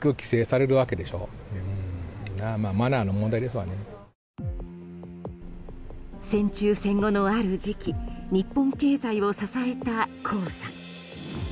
しかし。戦中戦後のある時期日本経済を支えた鉱山。